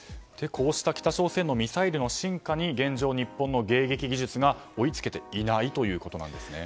こうした北朝鮮のミサイルの進化に現状、日本の迎撃技術が追いつけていないということなんですね。